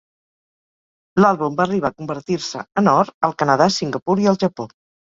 L'àlbum va arribar a convertir-se en or al Canadà, Singapur i el Japó.